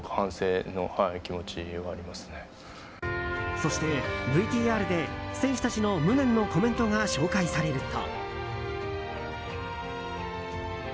そしてＶＴＲで選手たちの無念のコメントが紹介されると。